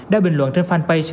đã bình luận trên fanpage